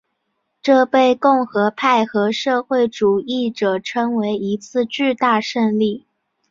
这被共和派和社会主义者称为一次巨大胜利。